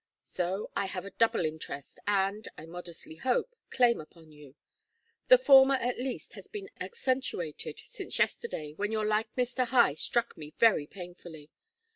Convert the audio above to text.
So, I have a double interest and, I modestly hope, claim upon you. The former at least has been accentuated since yesterday, when your likeness to Hi struck me very painfully.